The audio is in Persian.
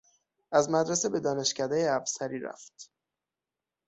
از مدرسه به دانشکدهی افسری رفت.